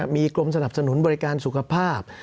มีกรมสนับสนุนบริการสุขภาพ